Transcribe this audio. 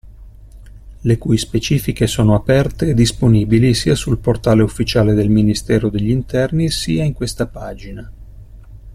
Le cui specifiche sono aperte e disponibili sia sul portale ufficiale del Ministero degli Interni, sia in questa pagina.